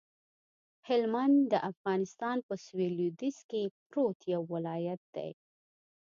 هلمند د افغانستان په سویل لویدیځ کې پروت یو ولایت دی